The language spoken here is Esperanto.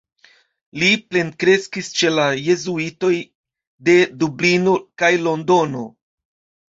Li plenkreskis ĉe la jezuitoj de Dublino kaj Londono.